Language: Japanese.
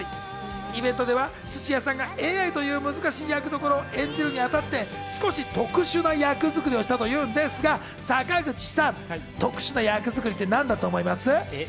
イベントでは土屋さんがＡＩという難しい役どころを演じるにあたって少し特殊な役作りをしたというんですが、坂口さん、特殊な役作りってどんな役作りだと思います？